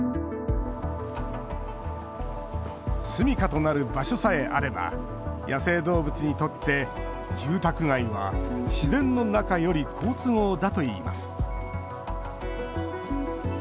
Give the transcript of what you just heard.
住みかとなる場所さえあれば野生動物にとって住宅街は自然の中より好都合だといいます。